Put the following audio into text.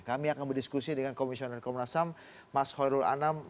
kami akan berdiskusi dengan komisioner komnas ham mas hoirul anam